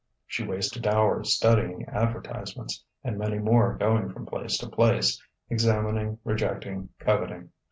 She wasted hours studying advertisements, and many more going from place to place, examining, rejecting, coveting.